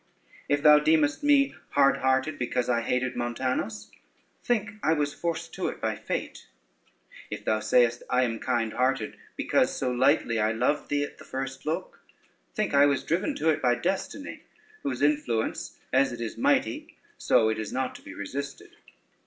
If thou deemest me hard hearted because I hated Montanus, think I was forced to it by fate; if thou sayest I am kind hearted because so lightly I love thee at the first look, think I was driven to it by destiny, whose influence, as it is mighty, so is it not to be resisted.